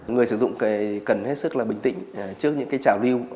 người sử dụng cần hết sức là bình tĩnh trước những cái trào lưu